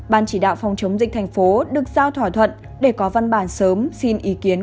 ban chỉ đạo phòng chống dịch thành phố được giao thỏa thuận để có văn bản sớm xin ý kiến